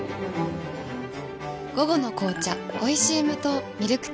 午後の紅茶おいしい無糖ミルクティー